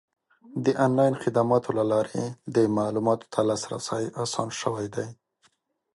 د آنلاین خدماتو له لارې د معلوماتو ته لاسرسی اسان شوی دی.